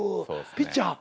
ピッチャー？